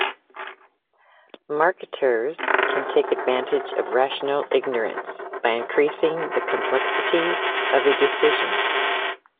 Marketers can take advantage of rational ignorance by increasing the complexity of a decision.